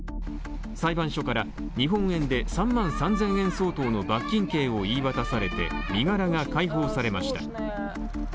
裁判所から日本円で３万３０００円相当の罰金刑を言い渡されて身柄が解放されました。